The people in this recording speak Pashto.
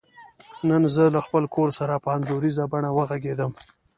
نن زه له خپل کور سره په انځوریزه بڼه وغږیدم.